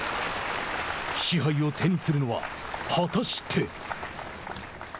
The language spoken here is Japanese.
賜杯を手にするのは果たして。